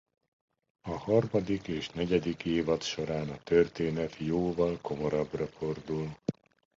A harmadik és negyedik évad során a történet jóval komorabbra fordul.